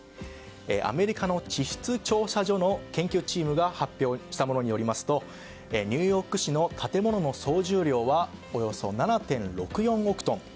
アメリカの地質調査所の研究チームが発表したものによりますとニューヨーク市の建物の総重量はおよそ７．６４億トン。